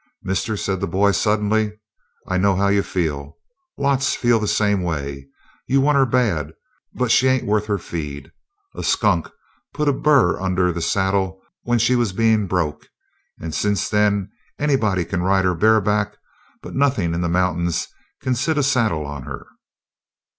"Mister," said the boy suddenly, "I know how you feel. Lots feel the same way. You want her bad, but she ain't worth her feed. A skunk put a bur under the saddle when she was bein' broke, and since then anybody can ride her bareback, but nothin' in the mountains can sit a saddle on her."